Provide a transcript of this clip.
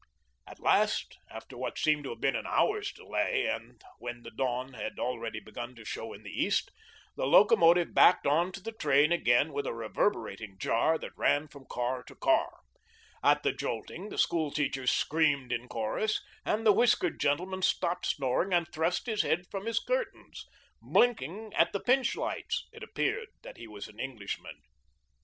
At last, after what seemed to have been an hour's delay, and when the dawn had already begun to show in the east, the locomotive backed on to the train again with a reverberating jar that ran from car to car. At the jolting, the school teachers screamed in chorus, and the whiskered gentleman stopped snoring and thrust his head from his curtains, blinking at the Pintsch lights. It appeared that he was an Englishman.